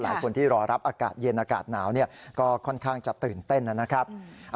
หลายคนที่รอรับอากาศเย็นอากาศหนาวก็ค่อนข้างจะตื่นเต้นนะครับ